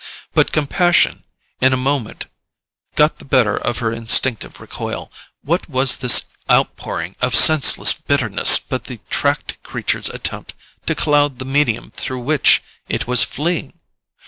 But compassion, in a moment, got the better of her instinctive recoil. What was this outpouring of senseless bitterness but the tracked creature's attempt to cloud the medium through which it was fleeing?